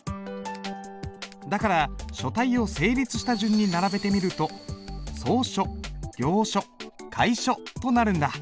だから書体を成立した順に並べてみると草書行書楷書となるんだ。